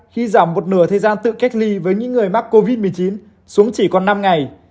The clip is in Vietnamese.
khi giảm một nửa thời gian tự cách ly với những người mắc covid một mươi chín xuống chỉ còn năm ngày